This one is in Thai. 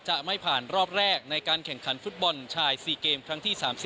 จะไม่ผ่านรอบแรกในการแข่งขันฟุตบอลชาย๔เกมครั้งที่๓๐